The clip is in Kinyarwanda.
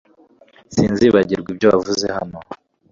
Sinzibagirwa ibyo wavuze hano